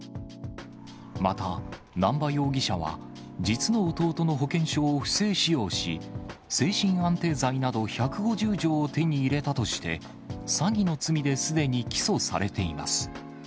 また、南波容疑者は、実の弟の保険証を不正使用し、精神安定剤など１５０錠を手に入れたとして、詐欺の罪ですでに起訴されています。